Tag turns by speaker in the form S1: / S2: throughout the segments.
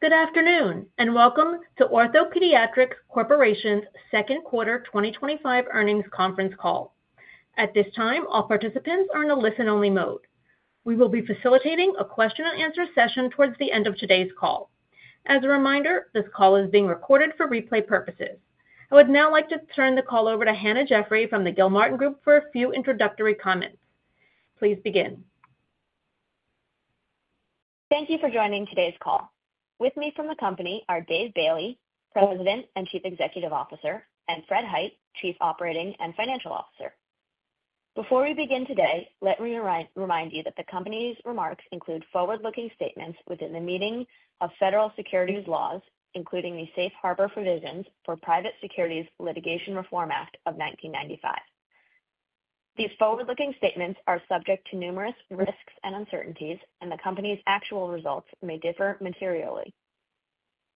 S1: Good afternoon and welcome to OrthoPediatrics Corp.'s second quarter 2025 earnings conference call. At this time, all participants are in a listen-only mode. We will be facilitating a question-and-answer session towards the end of today's call. As a reminder, this call is being recorded for replay purposes. I would now like to turn the call over to Hannah Jeffrey from The Gilmartin Group for a few introductory comments. Please begin.
S2: Thank you for joining today's call. With me from the company are Dave Bailey, President and Chief Executive Officer, and Fred Hite, Chief Operating and Financial Officer. Before we begin today, let me remind you that the company's remarks include forward-looking statements within the meaning of federal securities laws, including the Safe Harbor Provisions for the Private Securities Litigation Reform Act of 1995. These forward-looking statements are subject to numerous risks and uncertainties, and the company's actual results may differ materially.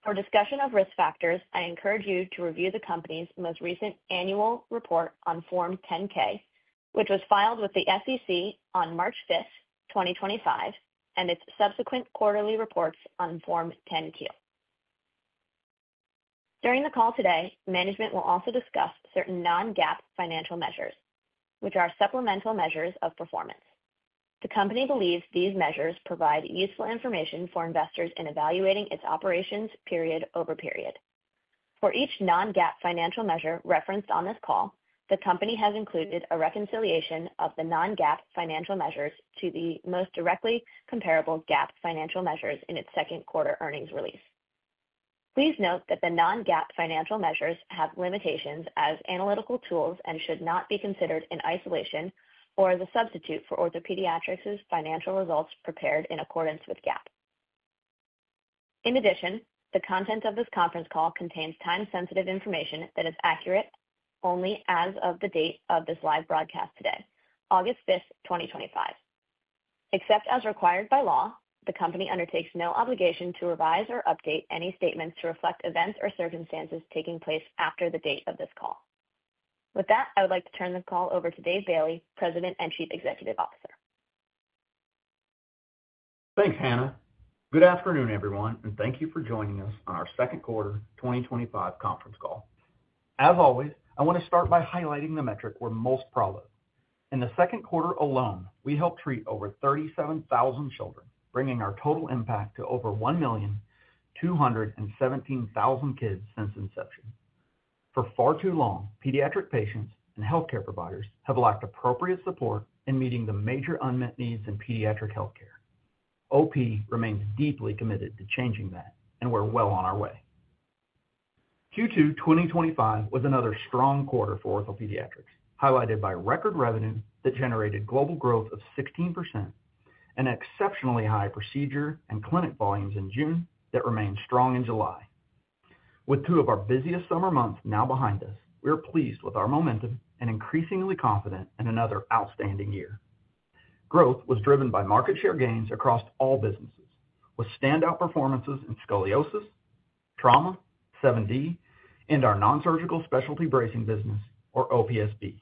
S2: For discussion of risk factors, I encourage you to review the company's most recent annual report on Form 10-K, which was filed with the SEC on March 5th, 2025, and its subsequent quarterly reports on Form 10-Q. During the call today, management will also discuss certain non-GAAP financial measures, which are supplemental measures of performance. The company believes these measures provide useful information for investors in evaluating its operations, period over period. For each non-GAAP financial measure referenced on this call, the company has included a reconciliation of the non-GAAP financial measures to the most directly comparable GAAP financial measures in its second quarter earnings release. Please note that the non-GAAP financial measures have limitations as analytical tools and should not be considered in isolation or as a substitute for OrthoPediatrics' financial results prepared in accordance with GAAP. In addition, the content of this conference call contains time-sensitive information that is accurate only as of the date of this live broadcast today, August 5th, 2025. Except as required by law, the company undertakes no obligation to revise or update any statements to reflect events or circumstances taking place after the date of this call. With that, I would like to turn the call over to Dave Bailey, President and Chief Executive Officer.
S3: Thanks, Hannah. Good afternoon, everyone, and thank you for joining us on our second quarter 2025 conference call. As always, I want to start by highlighting the metric we're most proud of. In the second quarter alone, we helped treat over 37,000 children, bringing our total impact to over 1,217,000 kids since inception. For far too long, pediatric patients and healthcare providers have lacked appropriate support in meeting the major unmet needs in pediatric healthcare. OP remains deeply committed to changing that, and we're well on our way. Q2 2025 was another strong quarter for OrthoPediatrics, highlighted by record revenue that generated global growth of 16% and exceptionally high procedure and clinic volumes in June that remained strong in July. With two of our busiest summer months now behind us, we are pleased with our momentum and increasingly confident in another outstanding year. Growth was driven by market share gains across all businesses, with standout performances in scoliosis, trauma, 7D, and our non-surgical specialty bracing business, or OPSB.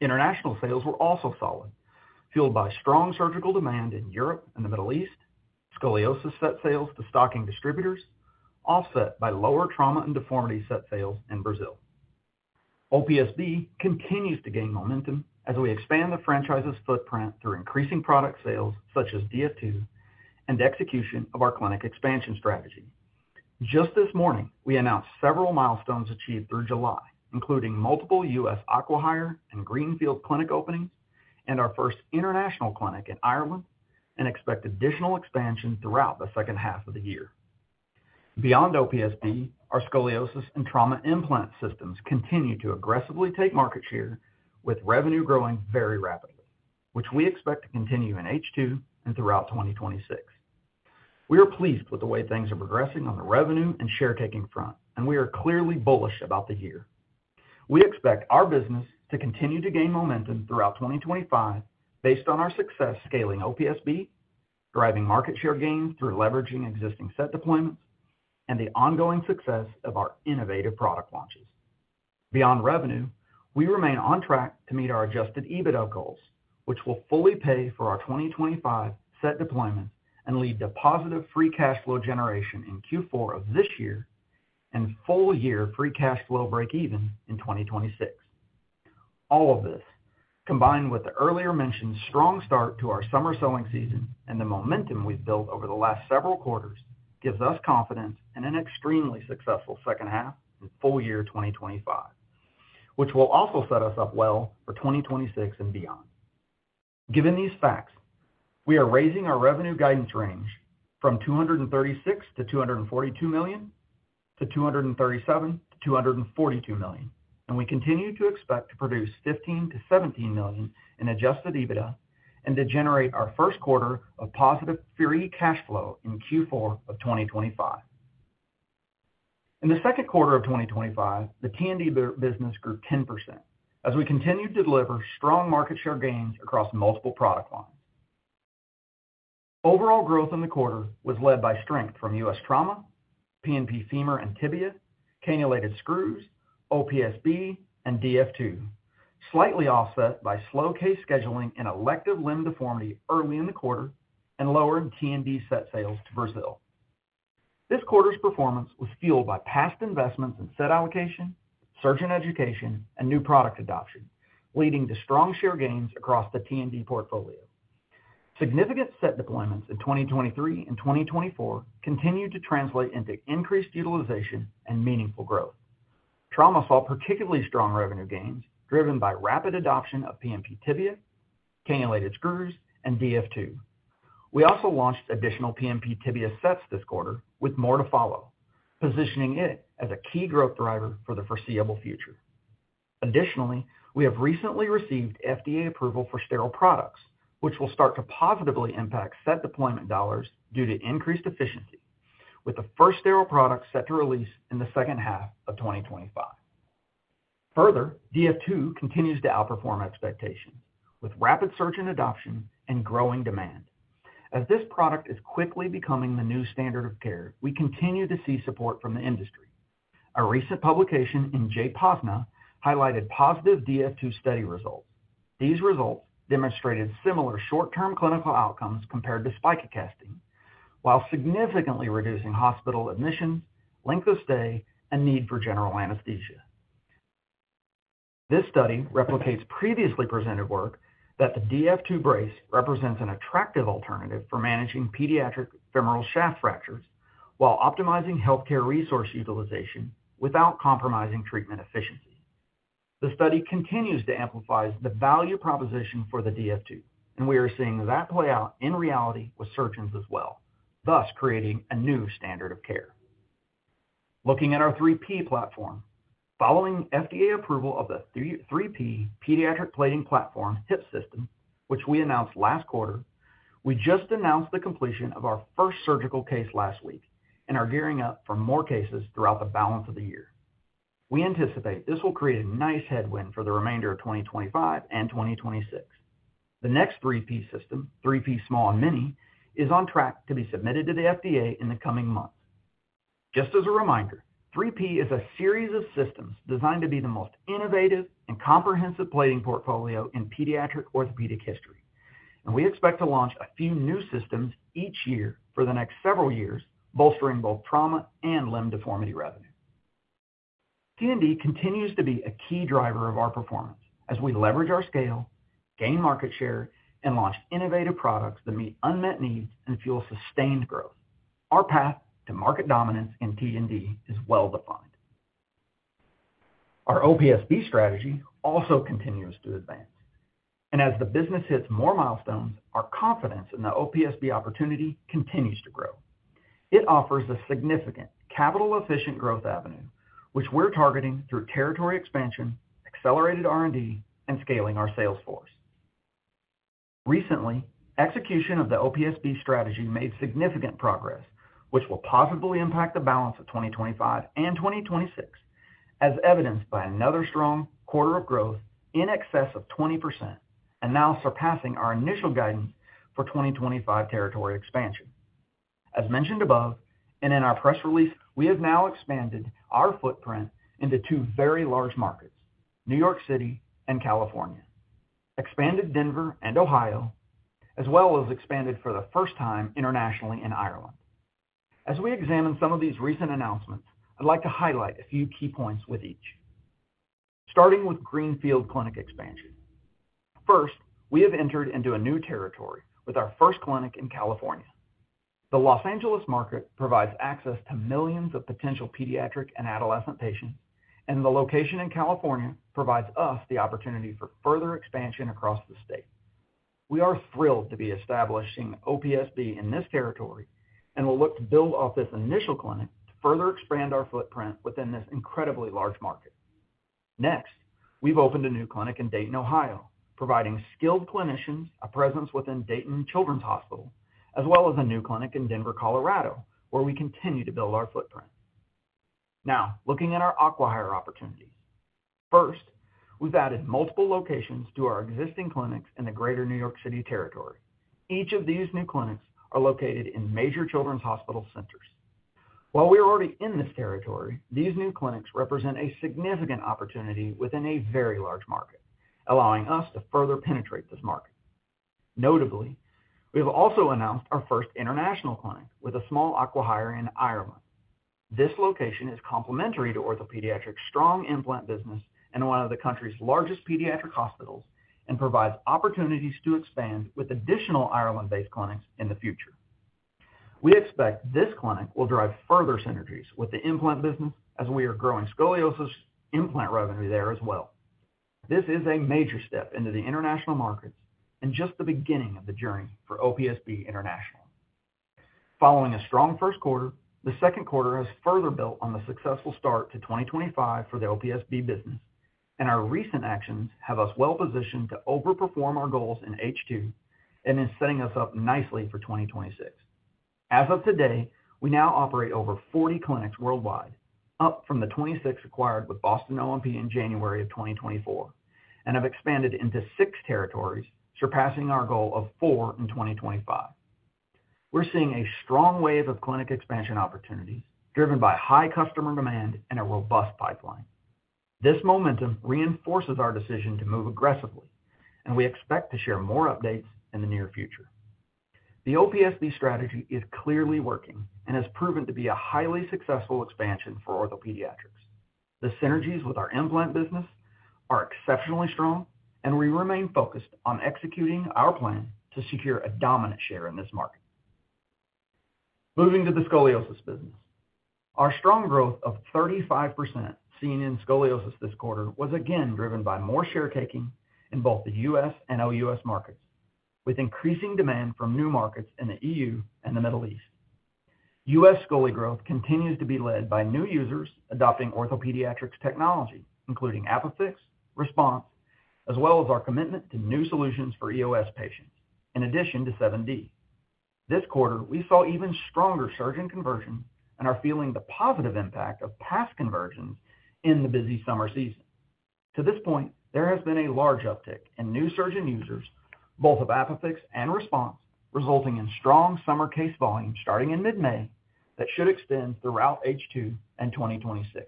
S3: International sales were also solid, fueled by strong surgical demand in Europe and the Middle East, scoliosis set sales to stocking distributors, offset by lower trauma and deformity set sales in Brazil. OPSB continues to gain momentum as we expand the franchise's footprint through increasing product sales, such as DF2, and execution of our clinic expansion strategy. Just this morning, we announced several milestones achieved through July, including multiple U.S. acqui-hire and greenfield clinic openings, and our first international clinic in Ireland, and expect additional expansion throughout the second half of the year. Beyond OPSB, our scoliosis and trauma implant systems continue to aggressively take market share, with revenue growing very rapidly, which we expect to continue in H2 and throughout 2026. We are pleased with the way things are progressing on the revenue and share-taking front, and we are clearly bullish about the year. We expect our business to continue to gain momentum throughout 2025 based on our success scaling OPSB, driving market share gains through leveraging existing set deployments, and the ongoing success of our innovative product launches. Beyond revenue, we remain on track to meet our adjusted EBITDA goals, which will fully pay for our 2025 set deployment and lead to positive free cash flow generation in Q4 of this year and full-year free cash flow break-even in 2026. All of this, combined with the earlier mentioned strong start to our summer selling season and the momentum we've built over the last several quarters, gives us confidence in an extremely successful second half in full-year 2025, which will also set us up well for 2026 and beyond. Given these facts, we are raising our revenue guidance range from $236 million-$242 million to $237 million-$242 million, and we continue to expect to produce $15 million-$17 million in adjusted EBITDA and to generate our first quarter of positive free cash flow in Q4 of 2025. In the second quarter of 2025, the T&D business grew 10% as we continued to deliver strong market share gains across multiple product lines. Overall growth in the quarter was led by strength from U.S. trauma, PNP femur and tibia, cannulated screws, OPSB, and DF2, slightly offset by slow case scheduling and elective limb deformity early in the quarter and lower in T&D set sales to Brazil. This quarter's performance was fueled by past investments in set allocation, surgeon education, and new product adoption, leading to strong share gains across the T&D portfolio. Significant set deployments in 2023 and 2024 continue to translate into increased utilization and meaningful growth. Trauma saw particularly strong revenue gains, driven by rapid adoption of PNP Tibia, cannulated screws, and DF2. We also launched additional PNP Tibia sets this quarter, with more to follow, positioning it as a key growth driver for the foreseeable future. Additionally, we have recently received FDA approval for sterile products, which will start to positively impact set deployment dollars due to increased efficiency, with the first sterile product set to release in the second half of 2025. Further, DF2 continues to outperform expectation, with rapid surge in adoption and growing demand. As this product is quickly becoming the new standard of care, we continue to see support from the industry. A recent publication in JPOSNA highlighted positive DF2 study results. These results demonstrated similar short-term clinical outcomes compared to Spica casting, while significantly reducing hospital admission, length of stay, and need for general anesthesia. This study replicates previously presented work that the DF2 brace represents an attractive alternative for managing pediatric femoral shaft fractures while optimizing healthcare resource utilization without compromising treatment efficiency. The study continues to amplify the value proposition for the DF2, and we are seeing that play out in reality with surgeons as well, thus creating a new standard of care. Looking at our 3P platform, following FDA approval of the 3P pediatric plating platform Hip system, which we announced last quarter, we just announced the completion of our first surgical case last week and are gearing up for more cases throughout the balance of the year. We anticipate this will create a nice headwind for the remainder of 2025 and 2026. The next 3P system, 3P Small/Mini, is on track to be submitted to the FDA in the coming month. Just as a reminder, 3P is a series of systems designed to be the most innovative and comprehensive plating portfolio in pediatric orthopedic history, and we expect to launch a few new systems each year for the next several years, bolstering both trauma and limb deformity revenue. T&D continues to be a key driver of our performance as we leverage our scale, gain market share, and launch innovative products that meet unmet needs and fuel sustained growth. Our path to market dominance in T&D is well defined. Our OPSB strategy also continues to advance, and as the business hits more milestones, our confidence in the OPSB opportunity continues to grow. It offers a significant capital-efficient growth avenue, which we're targeting through territory expansion, accelerated R&D, and scaling our sales force. Recently, execution of the OPSB strategy made significant progress, which will positively impact the balance of 2025 and 2026, as evidenced by another strong quarter of growth in excess of 20% and now surpassing our initial guidance for 2025 territory expansion. As mentioned above, and in our press release, we have now expanded our footprint into two very large markets: New York City and California, expanded Denver and Ohio, as well as expanded for the first time internationally in Ireland. As we examine some of these recent announcements, I'd like to highlight a few key points with each. Starting with greenfield clinic expansion. First, we have entered into a new territory with our first clinic in California. The Los Angeles market provides access to millions of potential pediatric and adolescent patients, and the location in California provides us the opportunity for further expansion across the state. We are thrilled to be establishing OPSB in this territory and will look to build off this initial clinic to further expand our footprint within this incredibly large market. Next, we've opened a new clinic in Dayton, Ohio, providing skilled clinicians a presence within Dayton Children's Hospital, as well as a new clinic in Denver, Colorado, where we continue to build our footprint. Now, looking at our acqui-hire opportunity. First, we've added multiple locations to our existing clinics in the greater New York City territory. Each of these new clinics are located in major children's hospital centers. While we are already in this territory, these new clinics represent a significant opportunity within a very large market, allowing us to further penetrate this market. Notably, we have also announced our first international clinic with a small acqui-hire in Ireland. This location is complementary to OrthoPediatrics' strong implant business and one of the country's largest pediatric hospitals and provides opportunities to expand with additional Ireland-based clinics in the future. We expect this clinic will drive further synergies with the implant business as we are growing scoliosis implant revenue there as well. This is a major step into the international markets and just the beginning of the journey for OPSB International. Following a strong first quarter, the second quarter has further built on the successful start to 2025 for the OPSB business, and our recent actions have us well positioned to overperform our goals in H2 and in setting us up nicely for 2026. As of today, we now operate over 40 clinics worldwide, up from the 26 acquired with Boston O&P in January of 2024, and have expanded into six territories, surpassing our goal of four in 2025. We're seeing a strong wave of clinic expansion opportunity, driven by high customer demand and a robust pipeline. This momentum reinforces our decision to move aggressively, and we expect to share more updates in the near future. The OPSB strategy is clearly working and has proven to be a highly successful expansion for OrthoPediatrics. The synergies with our implant business are exceptionally strong, and we remain focused on executing our plan to secure a dominant share in this market. Moving to the scoliosis business. Our strong growth of 35% seen in scoliosis this quarter was again driven by more share-taking in both the U.S. and O.U.S. markets, with increasing demand from new markets in the E.U. and the Middle East. U.S. scoli growth continues to be led by new users adopting OrthoPediatrics technology, including ApiFix, Response, as well as our commitment to new solutions for EOS patients, in addition to 7D. This quarter, we saw even stronger surgeon conversion and are feeling the positive impact of past conversion in the busy summer season. To this point, there has been a large uptick in new surgeon users, both of ApiFix and Response, resulting in strong summer case volume starting in mid-May that should extend throughout H2 and 2026.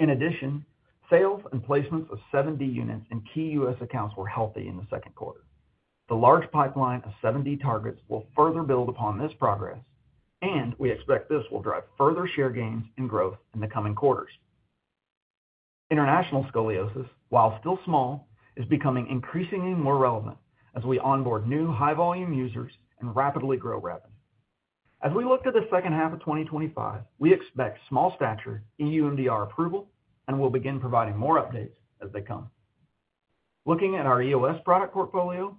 S3: In addition, sales and placements of 7D units in key U.S. accounts were healthy in the second quarter. The large pipeline of 7D targets will further build upon this progress, and we expect this will drive further share gains and growth in the coming quarters. International scoliosis, while still small, is becoming increasingly more relevant as we onboard new high-volume users and rapidly grow revenue. As we look to the second half of 2025, we expect small stature EUMDR approval and will begin providing more updates as they come. Looking at our EOS product portfolio,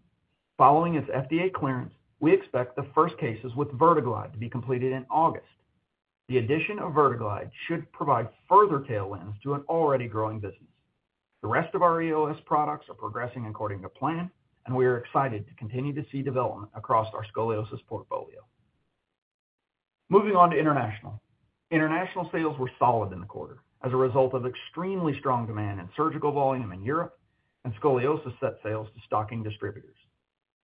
S3: following its FDA clearance, we expect the first cases with VerteGlide to be completed in August. The addition of VerteGlide should provide further tailwinds to an already growing business. The rest of our EOS products are progressing according to plan, and we are excited to continue to see development across our scoliosis portfolio. Moving on to international. International sales were solid in the quarter as a result of extremely strong demand in surgical volume in Europe and scoliosis set sales to stocking distributors.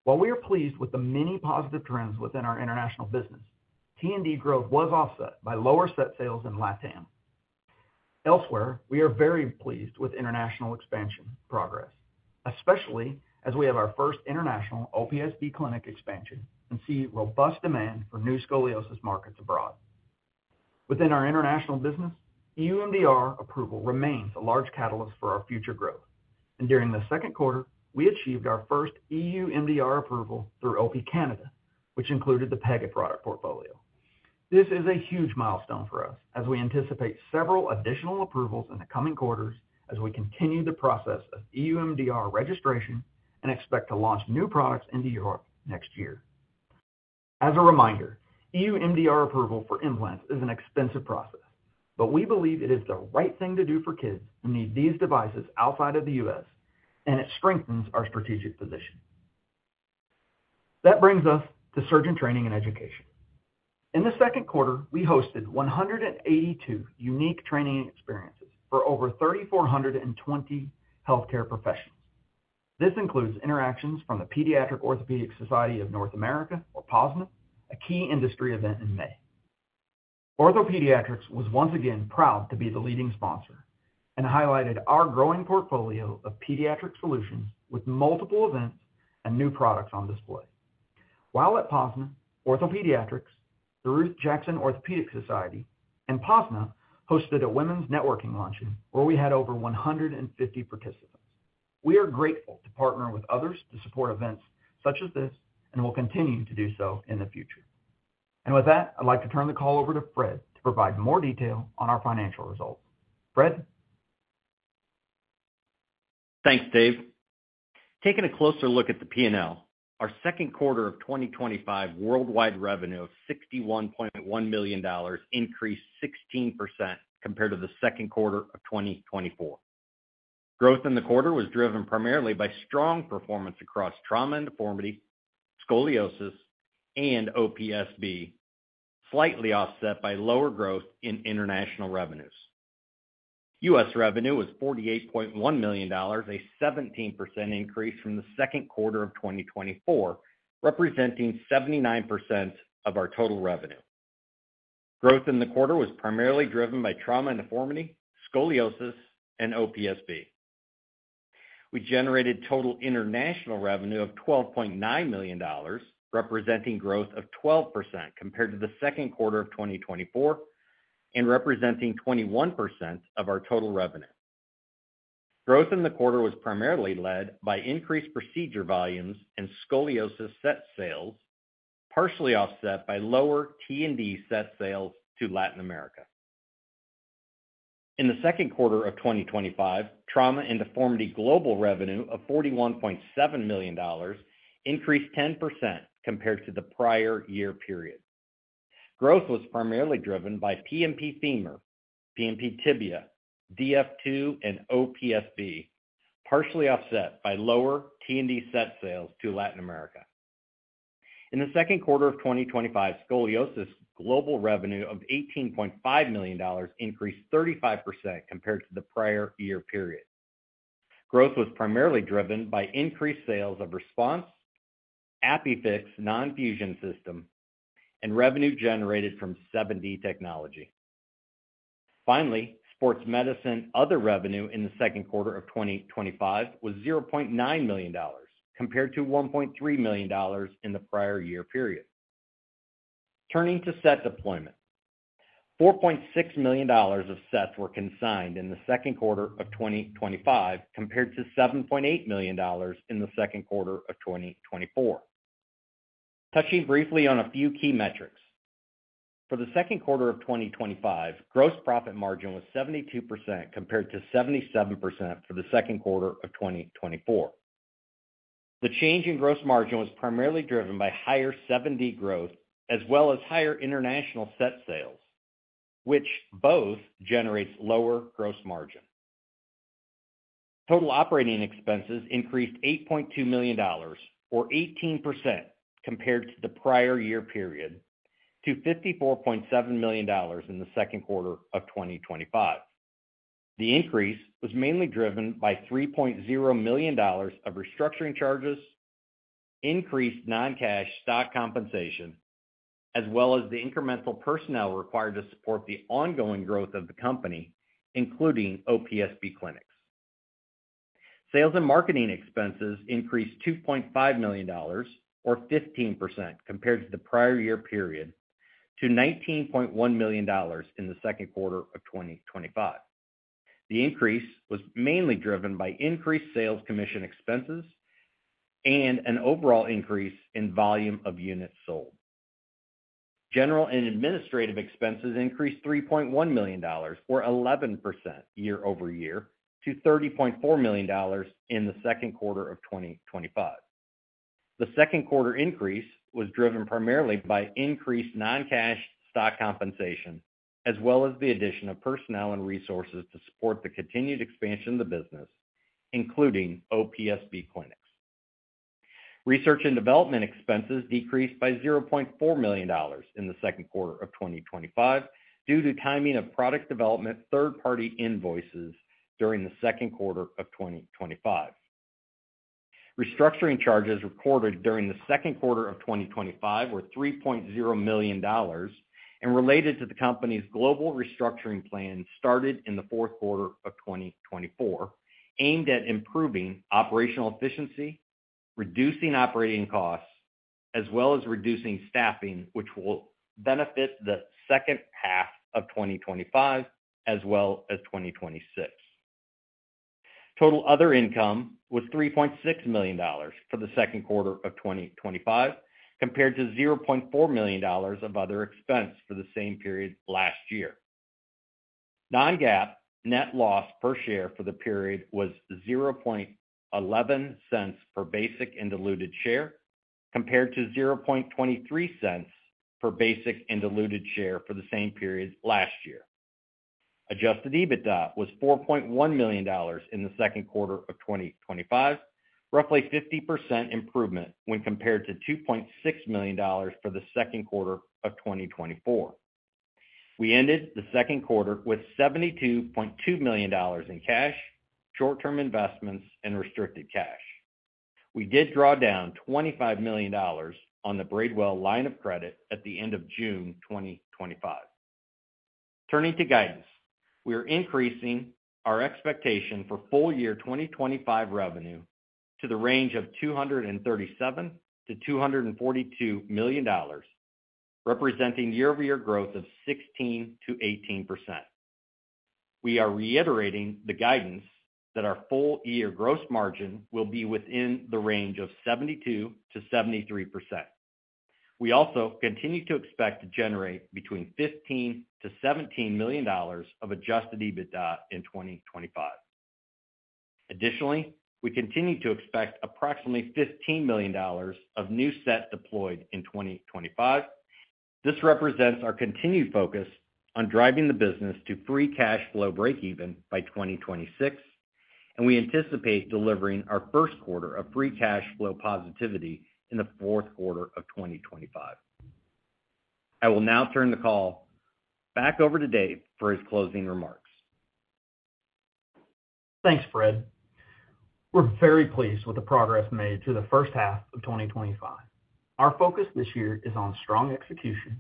S3: While we are pleased with the many positive trends within our international business, T&D growth was offset by lower set sales in LATAM. Elsewhere, we are very pleased with international expansion progress, especially as we have our first international OPSB clinic expansion and see robust demand for new scoliosis markets abroad. Within our international business, EUMDR approval remains a large catalyst for our future growth, and during the second quarter, we achieved our first EUMDR approval through OP Canada, which included the Pega product portfolio. This is a huge milestone for us as we anticipate several additional approvals in the coming quarters as we continue the process of EUMDR registration and expect to launch new products into Europe next year. As a reminder, EUMDR approval for implants is an expensive process, but we believe it is the right thing to do for kids who need these devices outside of the U.S., and it strengthens our strategic position. That brings us to surgeon training and education. In the second quarter, we hosted 182 unique training experiences for over 3,420 healthcare professionals. This includes interactions from the Pediatric Orthopedic Society of North America, or POSNA, a key industry event in May. OrthoPediatrics was once again proud to be the leading sponsor and highlighted our growing portfolio of pediatric solutions with multiple events and new products on display. While at POSNA, OrthoPediatrics, the Ruth Jackson Orthopedic Society, and POSNA hosted a women's networking luncheon where we had over 150 participants. We are grateful to partner with others to support events such as this and will continue to do so in the future. With that, I'd like to turn the call over to Fred to provide more detail on our financial results. Fred?
S4: Thanks, Dave. Taking a closer look at the P&L, our second quarter of 2025 worldwide revenue of $61.1 million increased 16% compared to the second quarter of 2024. Growth in the quarter was driven primarily by strong performance across trauma and deformity, scoliosis, and OPSB, slightly offset by lower growth in international revenues. U.S. revenue was $48.1 million, a 17% increase from the second quarter of 2024, representing 79% of our total revenue. Growth in the quarter was primarily driven by trauma and deformity, scoliosis, and OPSB. We generated total international revenue of $12.9 million, representing growth of 12% compared to the second quarter of 2024 and representing 21% of our total revenue. Growth in the quarter was primarily led by increased procedure volumes and scoliosis set sales, partially offset by lower trauma and deformity set sales to Latin America. In the second quarter of 2025, trauma and deformity global revenue of $41.7 million increased 10% compared to the prior year period. Growth was primarily driven by PNP Femur, PNP Tibia, DF2, and OPSB, partially offset by lower trauma and deformity set sales to Latin America. In the second quarter of 2025, scoliosis global revenue of $18.5 million increased 35% compared to the prior year period. Growth was primarily driven by increased sales of Response, ApiFix non-fusion system, and revenue generated from 7D technologies. Finally, sports medicine other revenue in the second quarter of 2025 was $0.9 million compared to $1.3 million in the prior year period. Turning to set deployment, $4.6 million of sets were consigned in the second quarter of 2025 compared to $7.8 million in the second quarter of 2024. Touching briefly on a few key metrics, for the second quarter of 2025, gross profit margin was 72% compared to 77% for the second quarter of 2024. The change in gross margin was primarily driven by higher 7D growth as well as higher international set sales, which both generate lower gross margins. Total operating expenses increased $8.2 million, or 18% compared to the prior year period, to $54.7 million in the second quarter of 2025. The increase was mainly driven by $3.0 million of restructuring charges, increased non-cash stock compensation, as well as the incremental personnel required to support the ongoing growth of the company, including OPSB clinics. Sales and marketing expenses increased $2.5 million, or 15% compared to the prior year period, to $19.1 million in the second quarter of 2025. The increase was mainly driven by increased sales commission expenses and an overall increase in volume of units sold. General and administrative expenses increased $3.1 million, or 11% year-over-year, to $30.4 million in the second quarter of 2025. The second quarter increase was driven primarily by increased non-cash stock compensation, as well as the addition of personnel and resources to support the continued expansion of the business, including OPSB clinics. Research and development expenses decreased by $0.4 million in the second quarter of 2025 due to timing of product development third-party invoices during the second quarter of 2025. Restructuring charges recorded during the second quarter of 2025 were $3.0 million and related to the company's global restructuring plan started in the fourth quarter of 2024, aimed at improving operational efficiency, reducing operating costs, as well as reducing staffing, which will benefit the second half of 2025 as well as 2026. Total other income was $3.6 million for the second quarter of 2025 compared to $0.4 million of other expense for the same period last year. Non-GAAP net loss per share for the period was $0.11 per basic and diluted share compared to $0.23 per basic and diluted share for the same period last year. Adjusted EBITDA was $4.1 million in the second quarter of 2025, roughly 50% improvement when compared to $2.6 million for the second quarter of 2024. We ended the second quarter with $72.2 million in cash, short-term investments, and restricted cash. We did draw down $25 million on the Braidwell line of credit at the end of June 2025. Turning to guidance, we are increasing our expectation for full-year 2025 revenue to the range of $237 million-$242 million, representing year-over-year growth of 16%-18%. We are reiterating the guidance that our full-year gross margin will be within the range of 72%-73%. We also continue to expect to generate between $15 million-$17 million of adjusted EBITDA in 2025. Additionally, we continue to expect approximately $15 million of new set deployed in 2025. This represents our continued focus on driving the business to free cash flow break-even by 2026, and we anticipate delivering our first quarter of free cash flow positivity in the fourth quarter of 2025. I will now turn the call back over to Dave for his closing remarks.
S3: Thanks, Fred. We're very pleased with the progress made through the first half of 2025. Our focus this year is on strong execution,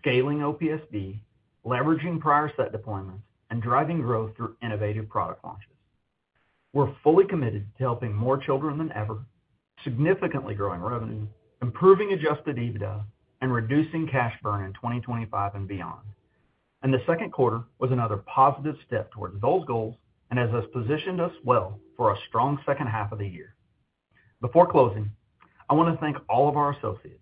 S3: scaling OPSB, leveraging prior set deployments, and driving growth through innovative product lines. We're fully committed to helping more children than ever, significantly growing revenue, improving adjusted EBITDA, and reducing cash burn in 2025 and beyond. The second quarter was another positive step toward those goals and has positioned us well for a strong second half of the year. Before closing, I want to thank all of our associates,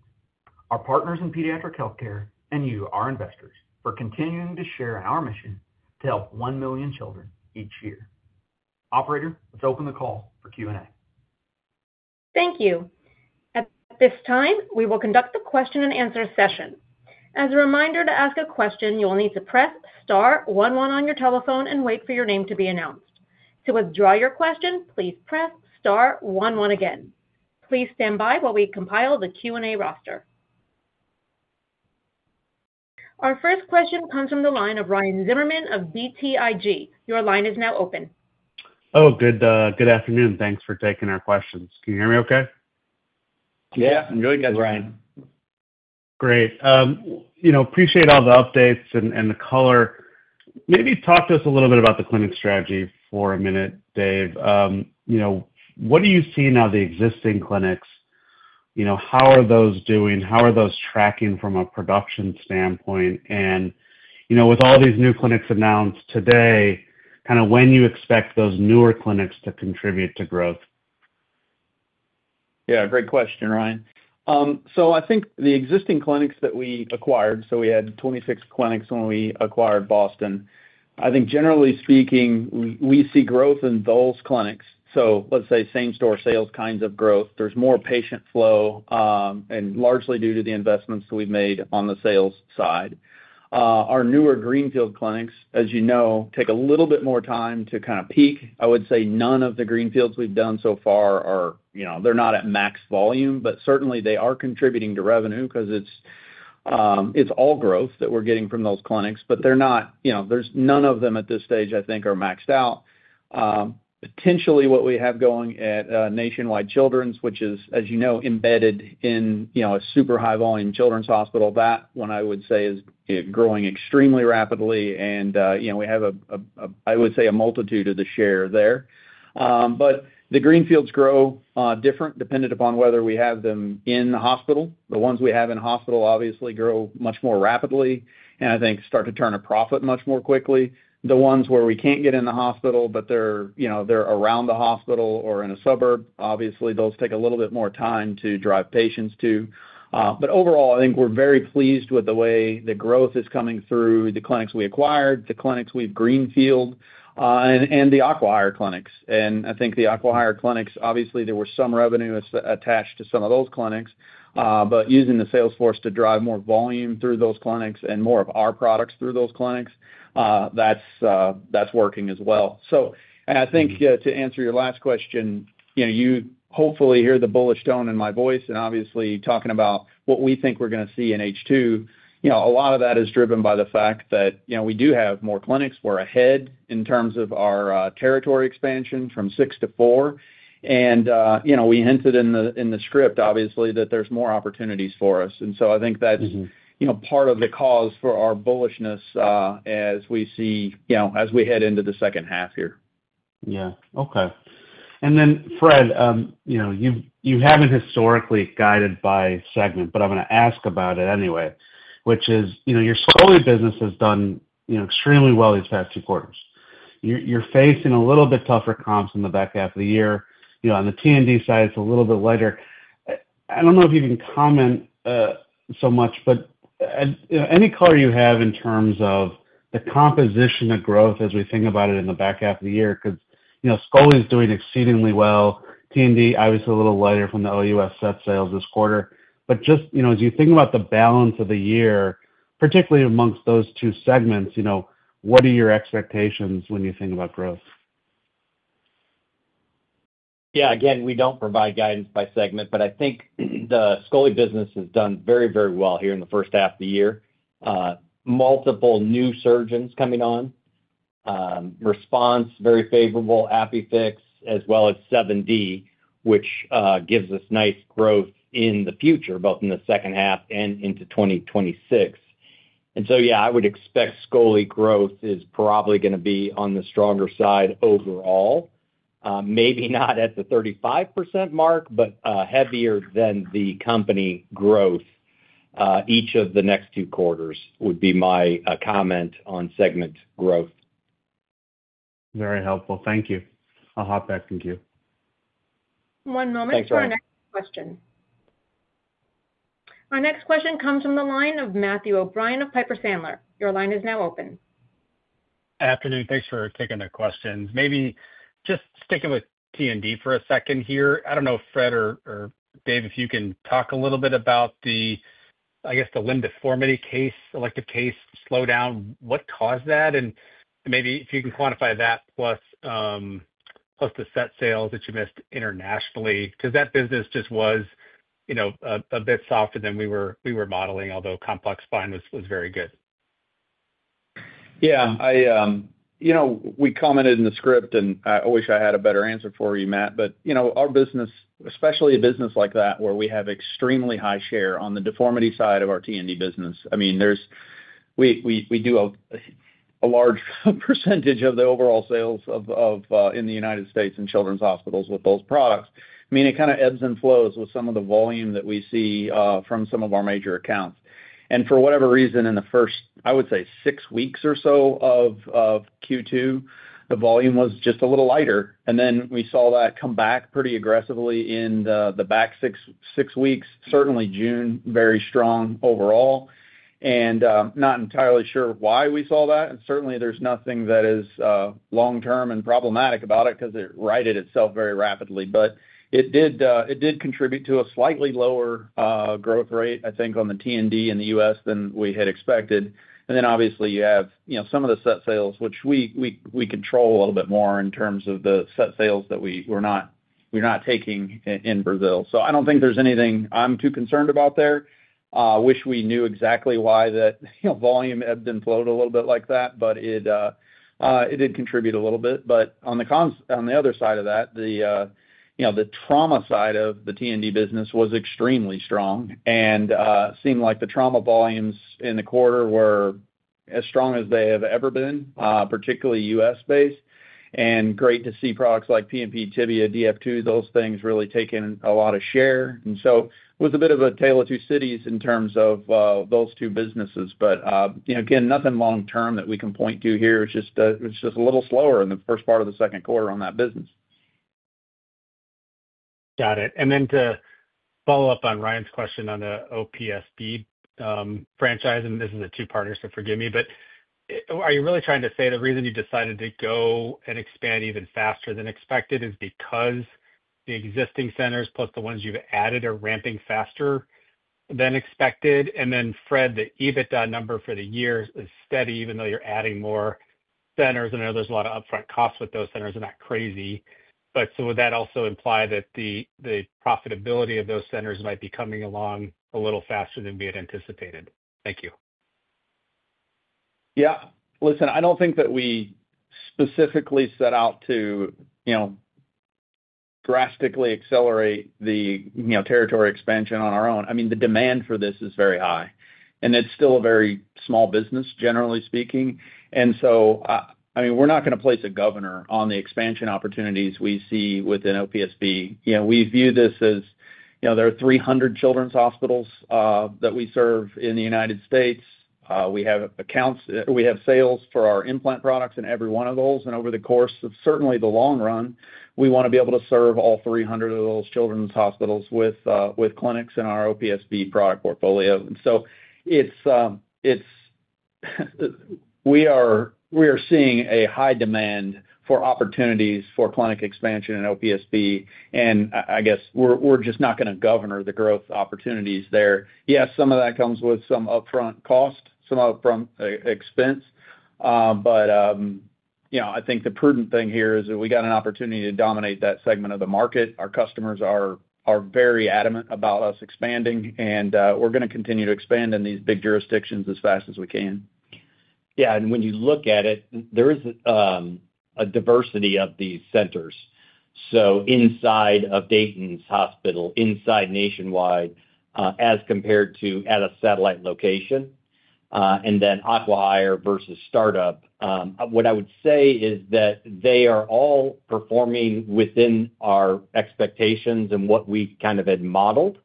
S3: our partners in pediatric healthcare, and you, our investors, for continuing to share our mission to help one million children each year. Operator, let's open the call for Q&A.
S1: Thank you. At this time, we will conduct the question and answer session. As a reminder, to ask a question, you will need to press star 11 on your telephone and wait for your name to be announced. To withdraw your question, please press star 11 again. Please stand by while we compile the Q&A roster. Our first question comes from the line of Ryan Zimmerman of BTIG. Your line is now open.
S5: Oh, good afternoon. Thanks for taking our questions. Can you hear me okay?
S3: Yeah, I'm doing good, Ryan.
S5: Great. Appreciate all the updates and the color. Maybe talk to us a little bit about the clinic strategy for a minute, Dave. What do you see now, the existing clinics? How are those doing? How are those tracking from a production standpoint? With all these new clinics announced today, kind of when you expect those newer clinics to contribute to growth?
S3: Yeah, great question, Ryan. I think the existing clinics that we acquired, so we had 26 clinics when we acquired Boston. I think generally speaking, we see growth in those clinics. Let's say same-store sales kinds of growth. There's more patient flow, and largely due to the investments that we've made on the sales side. Our newer greenfield clinics, as you know, take a little bit more time to kind of peak. I would say none of the greenfields we've done so far are at max volume, but certainly they are contributing to revenue because it's all growth that we're getting from those clinics, but they're not, you know, there's none of them at this stage, I think, are maxed out. Potentially what we have going at Nationwide Children's, which is, as you know, embedded in a super high-volume children's hospital, that one I would say is growing extremely rapidly and we have a multitude of the share there. The greenfields grow different dependent upon whether we have them in the hospital. The ones we have in hospital obviously grow much more rapidly and I think start to turn a profit much more quickly. The ones where we can't get in the hospital, but they're around the hospital or in a suburb, obviously those take a little bit more time to drive patients to. Overall, I think we're very pleased with the way the growth is coming through the clinics we acquired, the clinics we've greenfielded, and the acqui-hire clinics. I think the acqui-hire clinics, obviously there was some revenue attached to some of those clinics, but using the sales force to drive more volume through those clinics and more of our products through those clinics, that's working as well. To answer your last question, you hopefully hear the bullish tone in my voice and obviously talking about what we think we're going to see in H2. A lot of that is driven by the fact that we do have more clinics. We're ahead in terms of our territory expansion from six to four. We hinted in the script, obviously, that there's more opportunities for us. I think that's part of the cause for our bullishness, as we see as we head into the second half here.
S5: Yeah, okay. Fred, you know, you haven't historically guided by segment, but I'm going to ask about it anyway, which is, your Scoliosis business has done extremely well these past two quarters. You're facing a little bit tougher comps in the back half of the year. On the Trauma and Deformity side, it's a little bit lighter. I don't know if you can comment, but any color you have in terms of the composition of growth as we think about it in the back half of the year, because Scoliosis is doing exceedingly well. Trauma and Deformity obviously a little lighter from the O.U.S. set sales this quarter. Just as you think about the balance of the year, particularly amongst those two segments, what are your expectations when you think about growth?
S4: Yeah, again, we don't provide guidance by segment, but I think the scoli business has done very, very well here in the first half of the year. Multiple new surgeons coming on. Response, very favorable, ApiFix, as well as 7D, which gives us nice growth in the future, both in the second half and into 2026. I would expect scoli growth is probably going to be on the stronger side overall, maybe not at the 35% mark, but heavier than the company growth. Each of the next two quarters would be my comment on segment growth.
S5: Very helpful. Thank you. I'll hop back. Thank you.
S1: One moment for our next question. Our next question comes from the line of Matthew O'Brien of Piper Sandler. Your line is now open.
S6: Afternoon. Thanks for taking the questions. Maybe just sticking with T&D for a second here. I don't know if Fred or Dave, if you can talk a little bit about the limb deformity case, elective case slowdown, what caused that? Maybe if you can quantify that plus the set sales that you missed internationally, because that business just was a bit softer than we were modeling, although complex buying was very good.
S3: Yeah, I, you know, we commented in the script and I wish I had a better answer for you, Matt, but you know, our business, especially a business like that where we have extremely high share on the deformity side of our T&D business, I mean, we do a large percentage of the overall sales in the United States in children's hospitals with those products. It kind of ebbs and flows with some of the volume that we see from some of our major accounts. For whatever reason, in the first, I would say, six weeks or so of Q2, the volume was just a little lighter. We saw that come back pretty aggressively in the back six weeks, certainly June, very strong overall. I'm not entirely sure why we saw that. Certainly, there's nothing that is long-term and problematic about it because it righted itself very rapidly. It did contribute to a slightly lower growth rate, I think, on the T&D in the U.S. than we had expected. Obviously, you have some of the set sales, which we control a little bit more in terms of the set sales that we're not taking in Brazil. I don't think there's anything I'm too concerned about there. I wish we knew exactly why that volume ebbed and flowed a little bit like that, but it did contribute a little bit. On the other side of that, the trauma side of the T&D business was extremely strong and seemed like the trauma volumes in the quarter were as strong as they have ever been, particularly U.S.-based. Great to see products like PNP Tibia, DF2, those things really taking a lot of share. It was a bit of a tale of two cities in terms of those two businesses. Again, nothing long-term that we can point to here. It was just a little slower in the first part of the second quarter on that business.
S6: Got it. To follow up on Ryan's question on the OPSB franchise, and this is a two-parter, so forgive me, are you really trying to say the reason you decided to go and expand even faster than expected is because the existing centers plus the ones you've added are ramping faster than expected? Fred, the EBITDA number for the year is steady even though you're adding more centers. I know there's a lot of upfront costs with those centers. They're not crazy. Would that also imply that the profitability of those centers might be coming along a little faster than we had anticipated? Thank you.
S4: Yeah, listen, I don't think that we specifically set out to drastically accelerate the territory expansion on our own. I mean, the demand for this is very high, and it's still a very small business, generally speaking. We're not going to place a governor on the expansion opportunities we see within OPSB. We view this as, you know, there are 300 children's hospitals that we serve in the United States. We have accounts, we have sales for our implant products in every one of those. Over the course of certainly the long run, we want to be able to serve all 300 of those children's hospitals with clinics in our OPSB product portfolio. We are seeing a high demand for opportunities for clinic expansion in OPSB, and I guess we're just not going to governor the growth opportunities there.
S3: Yes, some of that comes with some upfront cost, some upfront expense, but I think the prudent thing here is that we got an opportunity to dominate that segment of the market. Our customers are very adamant about us expanding, and we're going to continue to expand in these big jurisdictions as fast as we can.
S4: Yeah, when you look at it, there is a diversity of these centers. Inside of Dayton's hospital, inside Nationwide, as compared to at a satellite location, and then acqui-hire versus StartUp, what I would say is that they are all performing within our expectations and what we kind of had modeled.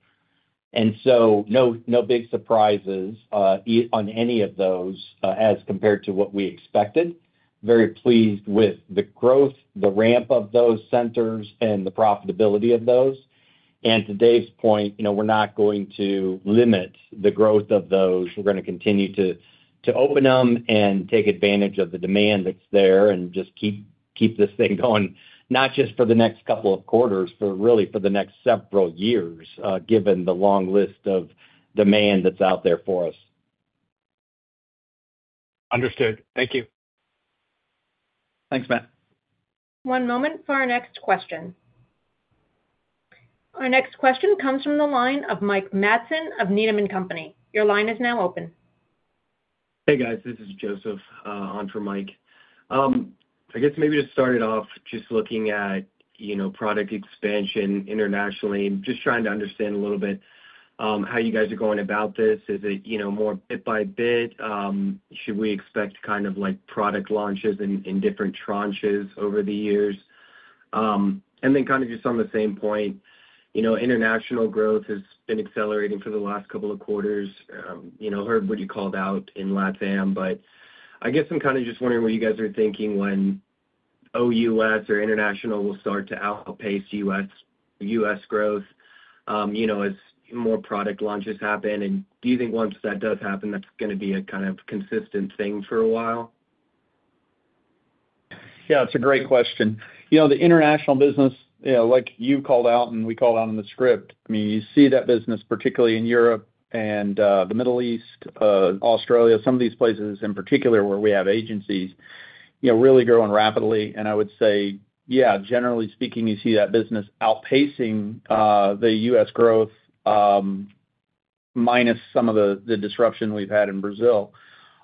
S4: No big surprises on any of those, as compared to what we expected. Very pleased with the growth, the ramp of those centers, and the profitability of those. To Dave's point, we're not going to limit the growth of those. We're going to continue to open them and take advantage of the demand that's there and just keep this thing going, not just for the next couple of quarters, but really for the next several years, given the long list of demand that's out there for us.
S6: Understood. Thank you.
S3: Thanks, Matt.
S1: One moment for our next question. Our next question comes from the line of Mike Mattson of Needham & Company. Your line is now open. Hey guys, this is Joseph on for Mike. I guess maybe to start it off, just looking at, you know, product expansion internationally, just trying to understand a little bit, how you guys are going about this. Is it, you know, more bit by bit? Should we expect kind of like product launches in different tranches over the years? And then kind of just on the same point, you know, international growth has been accelerating for the last couple of quarters. I heard what you called out in LATAM, but I guess I'm kind of just wondering what you guys are thinking when O.U.S. or international will start to outpace U.S. growth, you know, as more product launches happen. Do you think once that does happen, that's going to be a kind of consistent thing for a while?
S3: Yeah, it's a great question. You know, the international business, like you called out and we called out in the script, I mean, you see that business particularly in Europe and the Middle East, Australia, some of these places in particular where we have agencies, really growing rapidly. I would say, yeah, generally speaking, you see that business outpacing the U.S. growth, minus some of the disruption we've had in Brazil.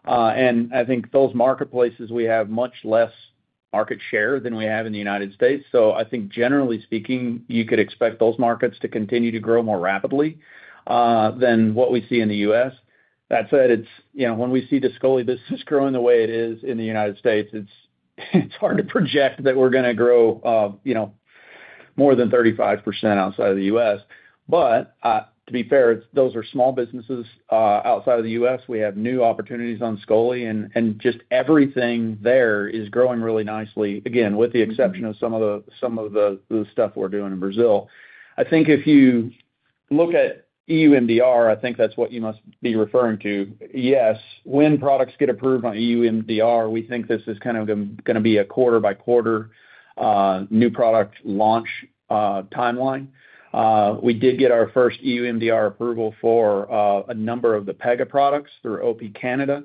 S3: I think those marketplaces we have much less market share than we have in the United States. I think generally speaking, you could expect those markets to continue to grow more rapidly than what we see in the U.S. That said, when we see the scoli business growing the way it is in the United States, it's hard to project that we're going to grow more than 35% outside of the U.S. To be fair, those are small businesses outside of the U.S. We have new opportunities on scoli and just everything there is growing really nicely, again, with the exception of some of the stuff we're doing in Brazil. I think if you look at EUMDR, I think that's what you must be referring to. Yes, when products get approved on EUMDR, we think this is kind of going to be a quarter by quarter new product launch timeline. We did get our first EUMDR approval for a number of the Pega products through OP Canada.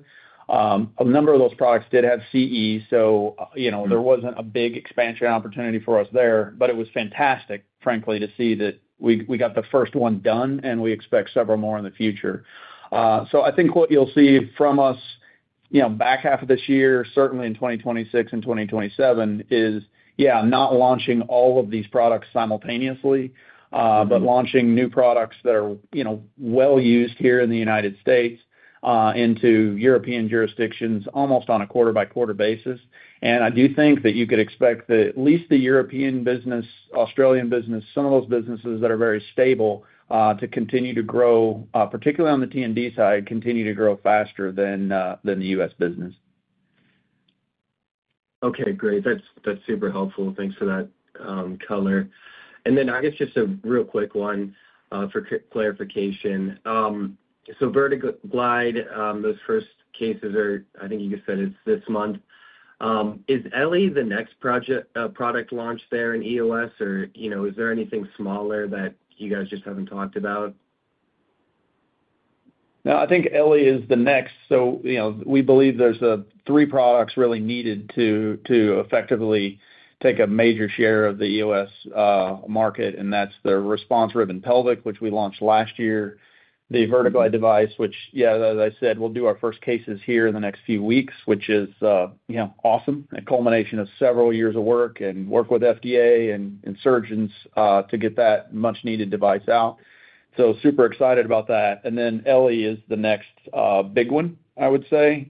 S3: A number of those products did have CE, so there wasn't a big expansion opportunity for us there, but it was fantastic, frankly, to see that we got the first one done and we expect several more in the future. I think what you'll see from us back half of this year, certainly in 2026 and 2027, is not launching all of these products simultaneously, but launching new products that are well used here in the United States into European jurisdictions almost on a quarter by quarter basis. I do think that you could expect that at least the European business, Australian business, some of those businesses that are very stable, to continue to grow, particularly on the T&D side, continue to grow faster than the U.S. business. Okay, great. That's super helpful. Thanks for that color. I guess just a real quick one for clarification. VerteGlide, those first cases are, I think you just said it's this month. Is eLLi the next product launch there in EOS, or is there anything smaller that you guys just haven't talked about? No, I think eLLi is the next. We believe there's three products really needed to effectively take a major share of the EOS market, and that's the Response Ribbon Pelvic, which we launched last year, the VerteGlide device, which, as I said, we'll do our first cases here in the next few weeks, which is awesome, a culmination of several years of work and work with FDA and surgeons to get that much-needed device out. Super excited about that. eLLi is the next big one, I would say.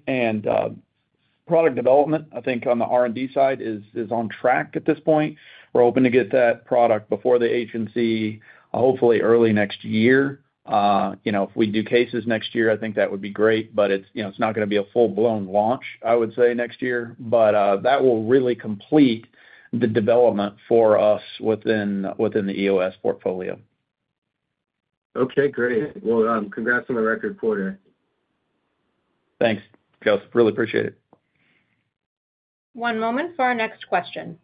S3: Product development, I think, on the R&D side is on track at this point. We're hoping to get that product before the agency, hopefully early next year. If we do cases next year, I think that would be great, but it's not going to be a full-blown launch, I would say, next year. That will really complete the development for us within the EOS portfolio. Okay, great. Congrats on the record quarter. Thanks, Joseph. Really appreciate it.
S1: One moment for our next question.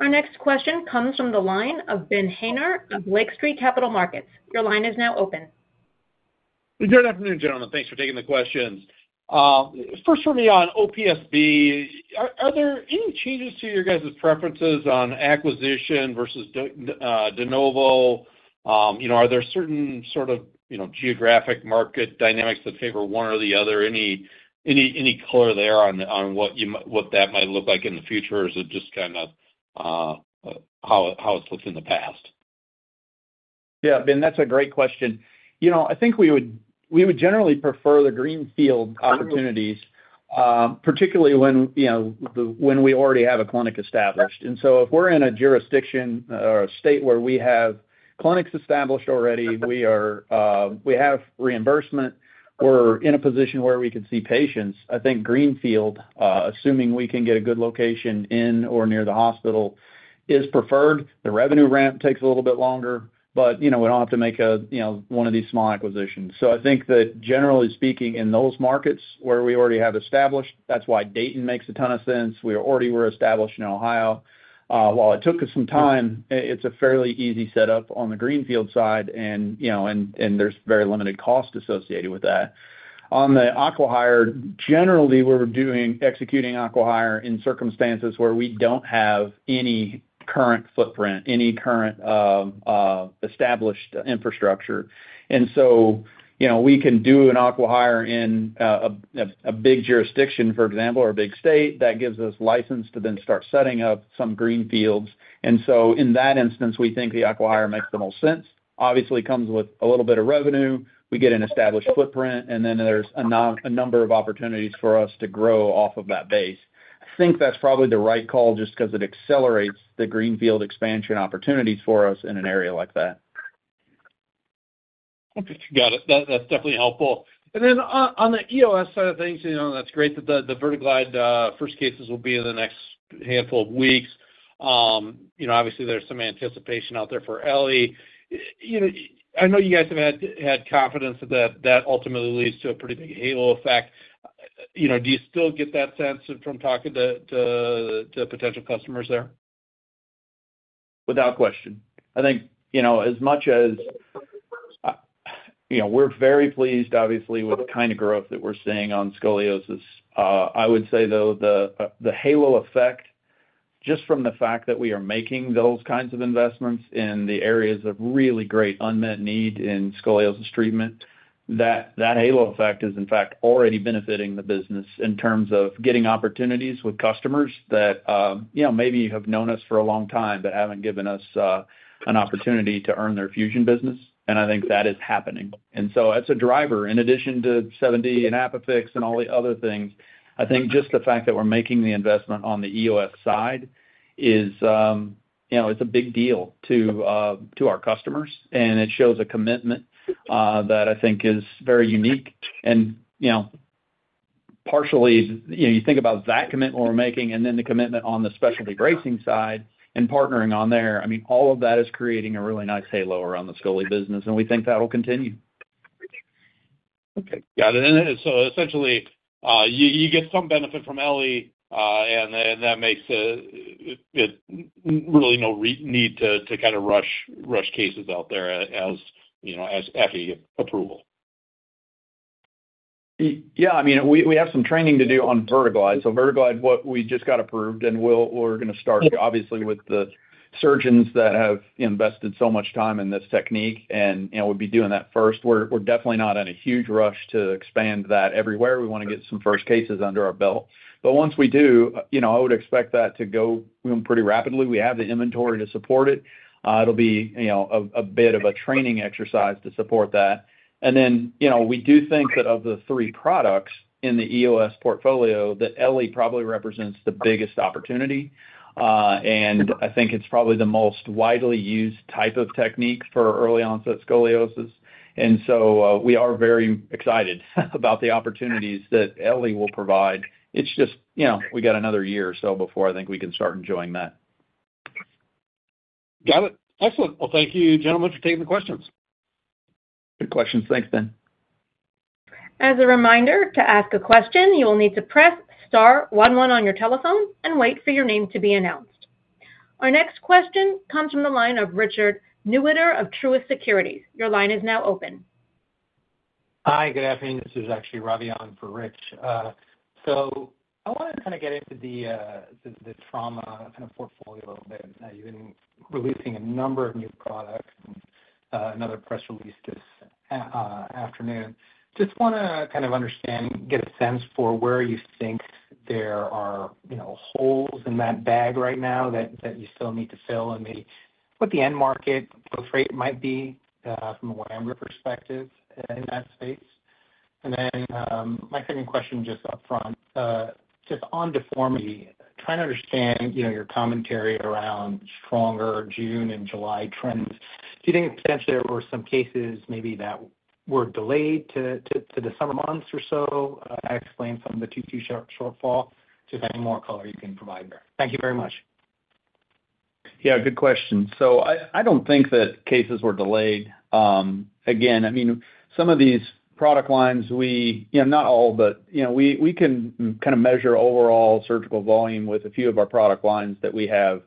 S1: Our next question comes from the line of Ben Haynor of Lake Street Capital Markets. Your line is now open.
S7: Good afternoon, gentlemen. Thanks for taking the questions. First for me on OPSB. Are there any changes to your guys' preferences on acquisition versus de novo? Are there certain sort of geographic market dynamics that favor one or the other? Any color there on what that might look like in the future, or is it just kind of how it's looked in the past?
S3: Yeah, Ben, that's a great question. I think we would generally prefer the greenfield opportunities, particularly when we already have a clinic established. If we're in a jurisdiction or a state where we have clinics established already, we have reimbursement, and we're in a position where we could see patients. I think greenfield, assuming we can get a good location in or near the hospital, is preferred. The revenue ramp takes a little bit longer, but we don't have to make one of these small acquisitions. Generally speaking, in those markets where we already have established, that's why Dayton makes a ton of sense. We already were established in Ohio. While it took us some time, it's a fairly easy setup on the greenfield side, and there's very limited cost associated with that. On the acqui-hire, generally, we're executing acqui-hire in circumstances where we don't have any current footprint or established infrastructure. We can do an acqui-hire in a big jurisdiction, for example, or a big state. That gives us license to then start setting up some greenfields. In that instance, we think the acqui-hire makes the most sense. Obviously, it comes with a little bit of revenue. We get an established footprint, and then there's a number of opportunities for us to grow off of that base. I think that's probably the right call just because it accelerates the greenfield expansion opportunities for us in an area like that.
S7: Got it. That's definitely helpful. On the EOS side of things, that's great that the VerteGlide first cases will be in the next handful of weeks. Obviously, there's some anticipation out there for eLLi. I know you guys have had confidence that that ultimately leads to a pretty big halo effect. Do you still get that sense from talking to potential customers there?
S3: Without question. I think, you know, as much as, you know, we're very pleased, obviously, with the kind of growth that we're seeing on scoliosis. I would say, though, the halo effect, just from the fact that we are making those kinds of investments in the areas of really great unmet need in scoliosis treatment, that halo effect is, in fact, already benefiting the business in terms of getting opportunities with customers that, you know, maybe have known us for a long time but haven't given us an opportunity to earn their fusion business. I think that is happening, and so that's a driver. In addition to 7D and ApiFix and all the other things, I think just the fact that we're making the investment on the EOS side is, you know, it's a big deal to our customers. It shows a commitment that I think is very unique. You know, partially, you know, you think about that commitment we're making and then the commitment on the specialty bracing side and partnering on there. I mean, all of that is creating a really nice halo around the scoli business. We think that'll continue.
S7: Okay. Got it. You get some benefit from eLLi, and that makes it really no need to kind of rush cases out there as, you know, after you get approval.
S3: Yeah, I mean, we have some training to do on VerteGlide. VerteGlide, what we just got approved, and we're going to start, obviously, with the surgeons that have invested so much time in this technique. We'll be doing that first. We're definitely not in a huge rush to expand that everywhere. We want to get some first cases under our belt. Once we do, I would expect that to go pretty rapidly. We have the inventory to support it. It'll be a bit of a training exercise to support that. We do think that of the three products in the EOS portfolio, eLLi probably represents the biggest opportunity. I think it's probably the most widely used type of technique for early-onset scoliosis. We are very excited about the opportunities that eLLi will provide. It's just, we got another year or so before I think we can start enjoying that.
S7: Got it. Excellent. Thank you, gentlemen, for taking the questions.
S3: Good questions. Thanks, Ben.
S1: As a reminder, to ask a question, you will need to press star 11 on your telephone and wait for your name to be announced. Our next question comes from the line of Richard Newitter of Truist Securities. Your line is now open. Hi, good afternoon. This is actually Ravi on for Rich. I want to kind of get into the trauma kind of portfolio a little bit. You've been releasing a number of new products, and another press release this afternoon. Just want to kind of understand, get a sense for where you think there are, you know, holes in that bag right now that you still need to fill and maybe what the end market growth rate might be, from a wider perspective in that space. My second question just up front, just on deformity, trying to understand your commentary around stronger June and July trends. Do you think potentially there were some cases maybe that were delayed to the summer months or so? Could that explain some of the Q2 shortfall? Do you have any more color you can provide there? Thank you very much.
S3: Yeah, good question. I don't think that cases were delayed. Again, some of these product lines we, you know, not all, but we can kind of measure overall surgical volume with a few of our product lines that we have.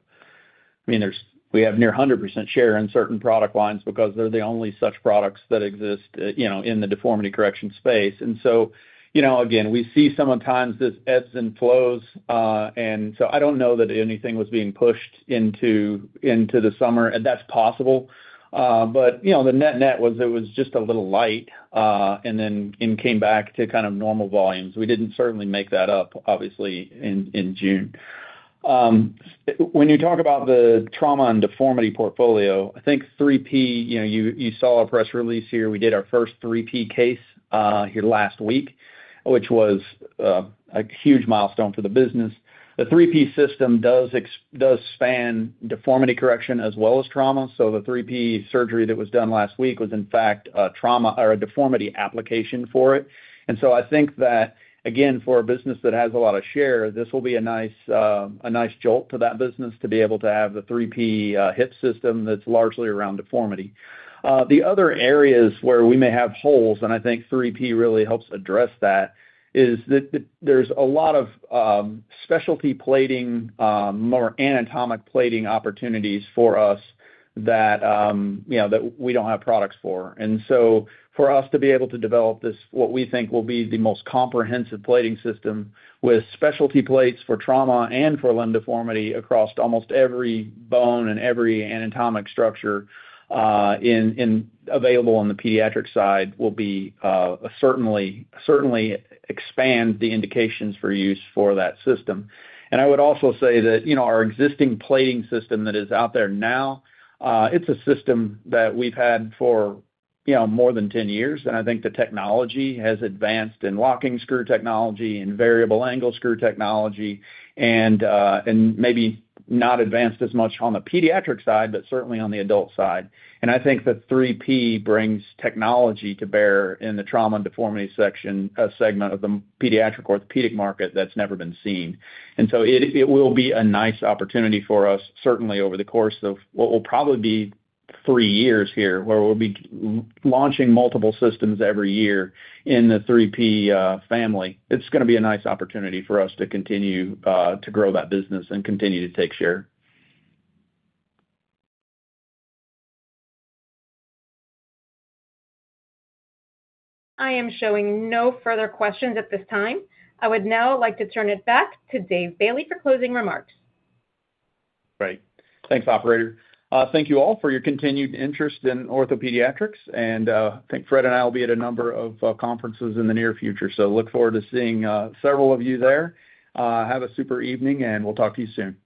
S3: We have near 100% share in certain product lines because they're the only such products that exist in the deformity correction space. Sometimes this ebbs and flows, and I don't know that anything was being pushed into the summer. That's possible, but the net net was it was just a little light, and then it came back to kind of normal volumes. We didn't certainly make that up, obviously, in June. When you talk about the Trauma and Deformity portfolio, I think 3P, you saw a press release here. We did our first 3P case here last week, which was a huge milestone for the business. The 3P system does span deformity correction as well as trauma. The 3P surgery that was done last week was, in fact, a trauma or a deformity application for it. For a business that has a lot of share, this will be a nice jolt to that business to be able to have the 3P Hip system that's largely around deformity. The other areas where we may have holes, and I think 3P really helps address that, is that there's a lot of specialty plating, more anatomic plating opportunities for us that we don't have products for. For us to be able to develop this, what we think will be the most comprehensive plating system with specialty plates for trauma and for limb deformity across almost every bone and every anatomic structure available on the pediatric side will certainly expand the indications for use for that system. I would also say that our existing plating system that is out there now, it's a system that we've had for more than 10 years. I think the technology has advanced in locking screw technology and variable angle screw technology, and maybe not advanced as much on the pediatric side, but certainly on the adult side. I think the 3P brings technology to bear in the trauma and deformity segment of the pediatric orthopedic market that's never been seen. It will be a nice opportunity for us, certainly over the course of what will probably be three years here where we'll be launching multiple systems every year in the 3P family. It's going to be a nice opportunity for us to continue to grow that business and continue to take share.
S1: I am showing no further questions at this time. I would now like to turn it back to Dave Bailey for closing remarks.
S3: Great. Thanks, Operator. Thank you all for your continued interest in OrthoPediatrics. I think Fred and I will be at a number of conferences in the near future. Look forward to seeing several of you there. Have a super evening, and we'll talk to you soon.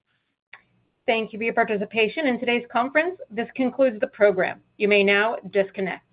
S1: Thank you for your participation in today's conference. This concludes the program. You may now disconnect.